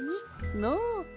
のう？